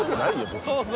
別に。